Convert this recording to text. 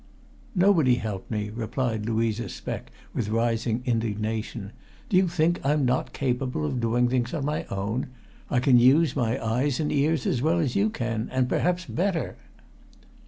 "Nobody helped me," replied Louisa Speck, with rising indignation. "Do you think I'm not capable of doing things on my own? I can use my eyes and ears as well as you can and perhaps better!"